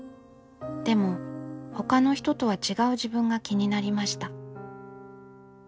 でもほかの人とは違う自分が気になりました。